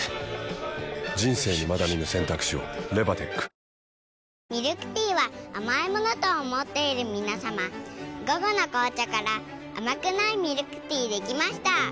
わぁミルクティーは甘いものと思っている皆さま「午後の紅茶」から甘くないミルクティーできました。